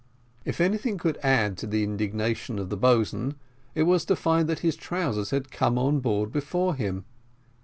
If anything could add to the indignation of the boatswain, it was to find that his trousers had come on board before him.